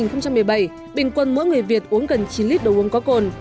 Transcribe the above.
năm hai nghìn một mươi bảy bình quân mỗi người việt uống gần chín lít đồ uống có cồn